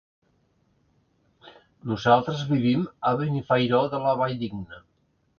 Nosaltres vivim a Benifairó de la Valldigna.